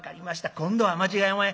今度は間違いおまへん。